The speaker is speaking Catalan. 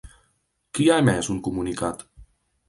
Qui ha emès un comunicat?